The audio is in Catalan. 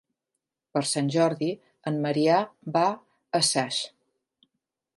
Per Sant Jordi en Maria va a Saix.